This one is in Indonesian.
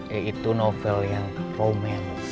yaitu novel yang romance